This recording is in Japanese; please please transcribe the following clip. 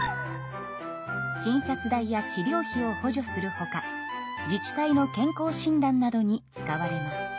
診察代や治療費を補助するほか自治体の健康診断などに使われます。